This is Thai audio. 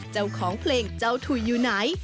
เจ้าของเพลงเจ้าถุยอยู่ไหน